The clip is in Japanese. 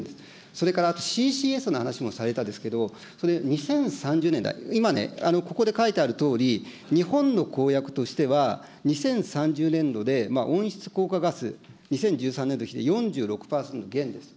それからＣＣＳの話もされたんですけど、それ２０３０年代、今ね、ここで書いてあるとおり、日本の公約としては、２０３０年度で温室効果ガス、２０１３年度比で４６％減です。